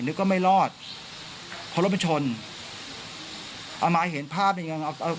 นึกว่าไม่รอดเพราะรถมันชนอัตมาเห็นภาพเนี่ย